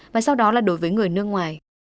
và sau đó là đối với người nước ngoài